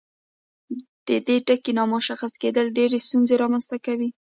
د دې ټکي نامشخص کیدل ډیرې ستونزې رامنځته کوي.